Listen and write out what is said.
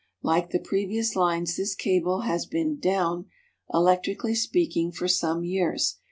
Like the previous lines, this cable has been "down," electrically speaking, for some years.